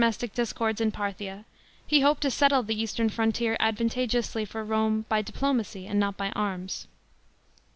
120 ROME AND PARTHIA CHAP, vm discords in Parthia, he hoped to settle the eastern frontier advantageously for Rome by diplomacy, and not by arms.